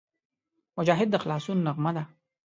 مجاهد د خلاصون نغمه ده.